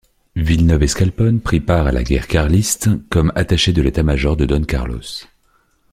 Villeneuve-Esclapon prit part à la guerre carliste comme attaché à l'état-major de Don Carlos.